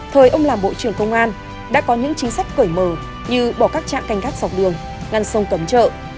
thời ông làm bộ trưởng công an đã có những chính sách cởi mờ như bỏ các trạng canh gác dọc đường ngăn sông cấm trợ